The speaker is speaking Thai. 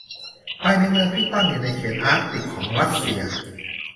ภายในเมืองที่ตั้งอยู่ในเขตอาร์กติกของรัสเซีย